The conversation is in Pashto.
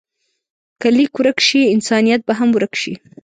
که لیک ورک شي، انسانیت به هم ورک شي.